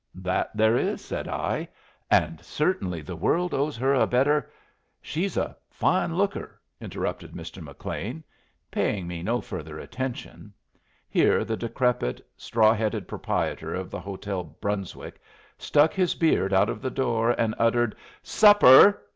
"That there is!" said I. "And certainly the world owes her a better " "She's a fine looker," interrupted Mr. McLean, paying me no further attention. Here the decrepit, straw hatted proprietor of the Hotel Brunswick stuck his beard out of the door and uttered "Supper!"